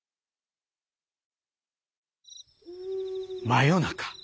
真夜中。